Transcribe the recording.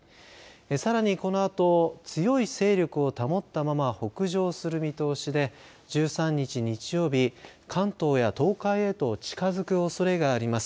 さらに、このあと強い勢力を保ったまま北上する見通しで１３日、日曜日関東や東海へと近づくおそれがあります。